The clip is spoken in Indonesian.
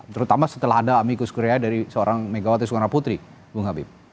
terutama setelah ada amikus kurea dari seorang megawati soekarno putri bung habib